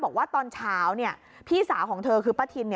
บอกว่าตอนเช้าพี่สาวของเธอคือป้าทิน